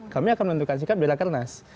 kami akan menentukan sikap di rekernas